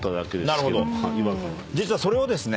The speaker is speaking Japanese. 実はそれをですね。